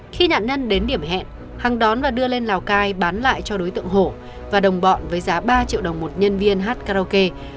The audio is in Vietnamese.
khi nạn nhân đến điểm hẹn hằng đón và đưa lên lào cai bán lại cho đối tượng hổ và đồng bọn với giá ba triệu đồng một nhân viên hát karaoke